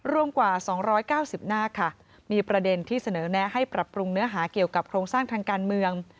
รวมกว่า๒๙๐หน้าค่ะมีประเด็นที่เสนอแนะให้ปรับปรุงเนื้อหาเกี่ยวกับโครงสร้างทางการเมือง